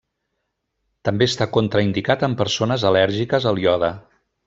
També està contraindicat en persones al·lèrgiques al iode.